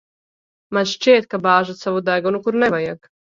Man šķiet, ka bāžat savu degunu, kur nevajag.